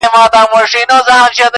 سپرلي حُسن ګلاب رنګ ترې زکات غواړي,